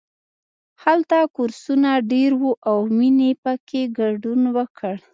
هلته کورسونه ډېر وو او مینې پکې ګډون وکړ